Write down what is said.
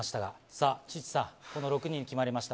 さあ、チッチさん、この６人、決まりました、